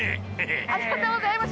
ありがとうございます。